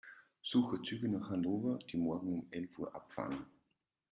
Suche Züge nach Hannover, die morgen um elf Uhr abfahren.